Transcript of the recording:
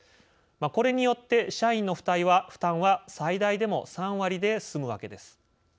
これによって社員の負担は最大でも３割ですむわけです。